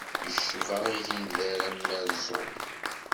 Yecba igider amerẓu.